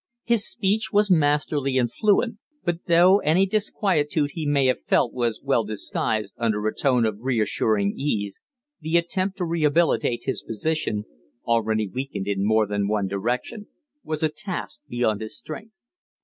His speech was masterly and fluent; but though any disquietude he may have felt was well disguised under a tone of reassuring ease, the attempt to rehabilitate his position already weakened in more than one direction was a task beyond his strength.